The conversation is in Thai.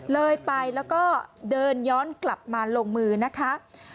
เลยไปแล้วก็เดินย้อนกลับมาลงมือนะคะ